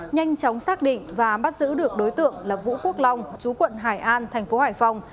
nhanh chóng xác định và bắt giữ được đối tượng là vũ quốc long chú quận hải an thành phố hải phòng